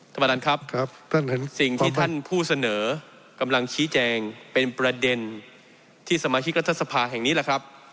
ท่านประธานครับสิ่งที่ท่านผู้เสนอกำลังชี้แจงเป็นประเด็นที่สมาชิกรัฐสภาแห่งนี้แหละครับ